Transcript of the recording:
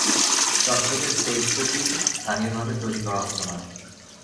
চকচকে স্টেইট পুঁতি স্থানীয়ভাবে তৈরি করা হতো না।